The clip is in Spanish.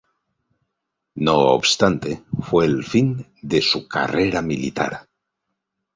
No obstante fue el fin de su carrera militar.